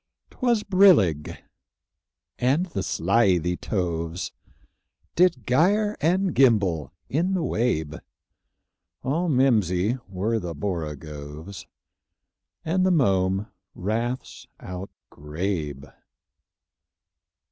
'Twas brillig, and the slithy toves Did gyre and gimble in the wabe; All mimsy were the borogoves, And the mome raths outgrabe.